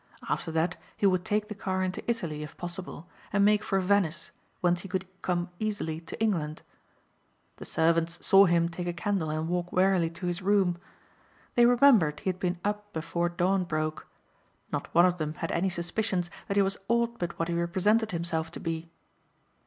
After that he would take the car into Italy if possible and make for Venice whence he could come easily to England. The servants saw him take a candle and walk wearily to his room. They remembered he had been up before dawn broke. Not one of them had any suspicions that he was aught but what he represented himself to be.